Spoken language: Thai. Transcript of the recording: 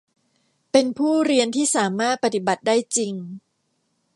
เป็นผู้เรียนที่สามารถปฏิบัติได้จริง